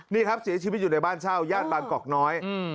นี่ครับเสียชีวิตอยู่ในบ้านเช่าย่านบางกอกน้อย